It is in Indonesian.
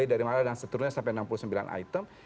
dan seterusnya sampai enam puluh sembilan item